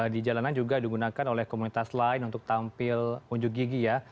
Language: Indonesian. di jalanan juga digunakan oleh komunitas lain untuk tampil unjuk gigi ya